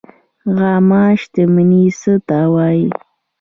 عامه شتمني څه ته وایي؟